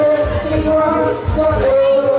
ขอขอเป็นเตรียม